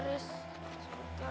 risa pengen tidur